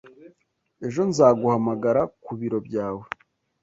Ejo nzaguhamagara ku biro byawe